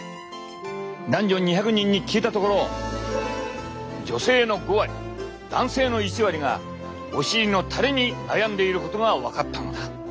男女２００人に聞いたところ女性の５割男性の１割がお尻のたれに悩んでいることが分かったのだ。